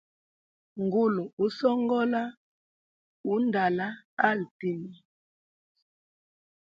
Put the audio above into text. Ngulu usongola undala ali tima.